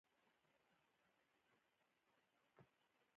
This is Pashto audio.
بلکی د ټول بشریت د خیر، ښیګڼی، سوکالی او عدالت فکر ولری